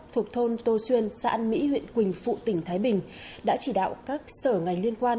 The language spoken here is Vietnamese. thuộc thôn tô xuyên xã an mỹ huyện quỳnh phụ tỉnh thái bình đã chỉ đạo các sở ngành liên quan